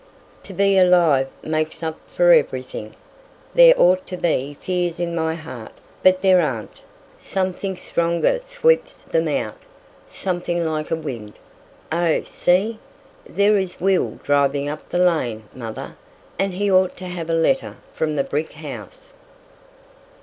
To be alive makes up for everything; there ought to be fears in my heart, but there aren't; something stronger sweeps them out, something like a wind. Oh, see! There is Will driving up the lane, mother, and he ought to have a letter from the brick house."